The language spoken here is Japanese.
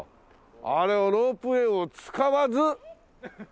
あれをロープウェーを使わずねえ。